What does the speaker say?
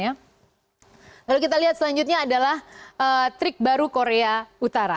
lalu kita lihat selanjutnya adalah trik baru korea utara